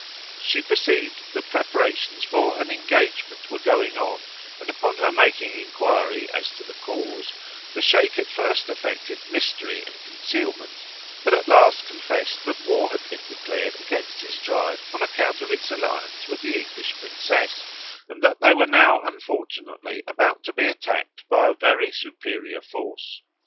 She perceived that preparations for an engagement were going on, and upon her making inquiry as to the cause, the Sheik at first affected mystery and concealment, but at last confessed that war had been declared against his tribe on account of its alliance with the English princess, and that they were now unfortunately about to be attacked by a very superior force.